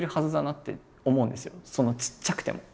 ちっちゃくても。